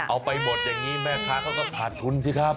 เอาไปหมดอย่างนี้แม่ค้าเขาก็ขาดทุนสิครับ